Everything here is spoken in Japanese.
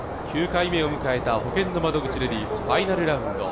９回目を迎えたほけんの窓口レディースファイナルラウンド。